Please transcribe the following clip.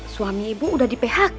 suami ibu udah di phk